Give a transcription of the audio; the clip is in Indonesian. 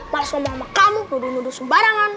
males ngomong sama kamu nuduh nuduh sembarangan